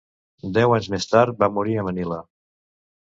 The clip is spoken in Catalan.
Deu anys més tard va morir a Manila.